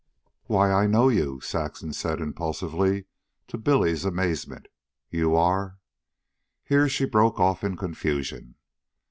"Why, I know you," Saxon said impulsively, to Billy's amazement. "You are.. .." Here she broke off in confusion.